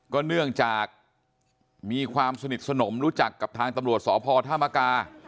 เนื่องจากมีความสนิทสนมรู้จักกับทางตำรวจสพธามกา